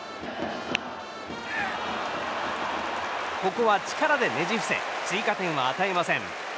ここは力でねじ伏せ追加点を与えません。